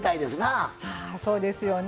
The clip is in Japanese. ああそうですよね。